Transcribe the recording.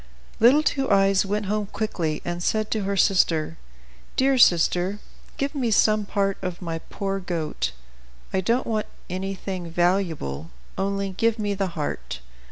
Little Two Eyes went home quickly, and said to her sister, "Dear sister, give me some part of my poor goat. I don't want anything valuable; only give me the heart."